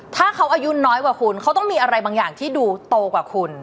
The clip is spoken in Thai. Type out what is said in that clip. ถ้าเขาอายุน้อยกว่าคุณเขาต้องมีอะไรบางอย่างที่ดูโตกว่าคุณ